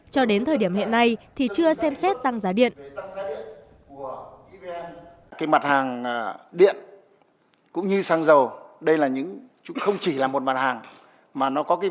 cho đến thời điểm hiện nay thì chưa xem xét tăng giá điện